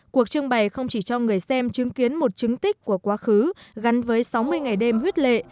cuộc trưng bày không chỉ cho người xem chứng kiến một chứng tích của quá khứ gắn với sáu mươi ngày đêm huyết lệ